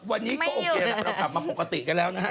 วันนี้ก็โอเคแล้วเรากลับมาปกติกันแล้วนะฮะ